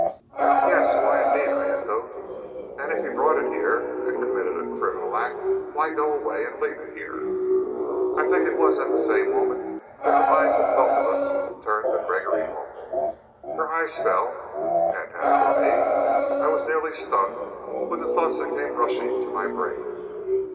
"Yes, why, indeed?" I echoed. "And if he brought it here, and committed a criminal act, why go away and leave it here?" I think it was at the same moment that the minds of both of us turned to Gregory Hall. Her eyes fell, and as for me, I was nearly stunned with the thoughts that came rushing to my brain.